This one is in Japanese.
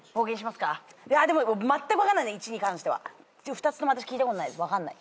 ２つとも私聞いたことないです分かんない。